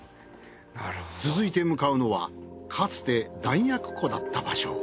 続いて向かうのはかつて弾薬庫だった場所。